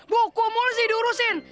boko mulus diurusin